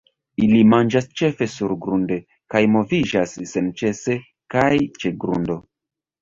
Ili manĝas ĉefe surgrunde, kaj moviĝas senĉese kaj ĉe grundo.